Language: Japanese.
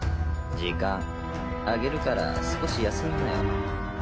時間あげるから少し休みなよ。